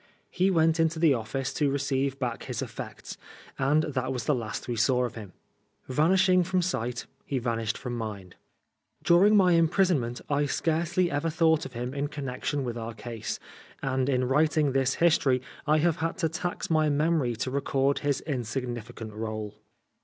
He went into the office to receive back his effects, and that was the last we saw of him. Vanishing from sight, he vanished from mind. During my imprison ment I scarcely ever thought of him in connexion with our case, and in writing this history I have had to tax my memory to record his insignificant role.